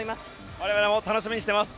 我々も楽しみにしています。